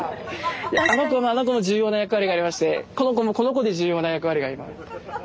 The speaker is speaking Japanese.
あのこも重要な役割がありましてこのこもこのこで重要な役割があります。